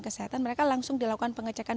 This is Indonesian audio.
kesehatan mereka langsung dilakukan pengecekan